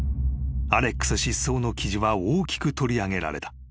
［アレックス失踪の記事は大きく取り上げられた］